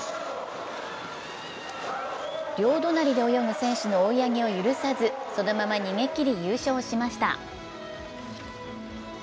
両隣で泳ぐ選手の追い上げを許さずそのまま逃げきり優勝しました。